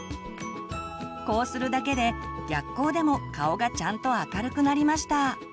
こうするだけで逆光でも顔がちゃんと明るくなりました。